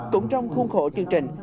cũng trong khuôn khổ chương trình